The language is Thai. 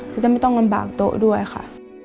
จะไม่ต้องลำบากโต๊ะด้วยค่ะ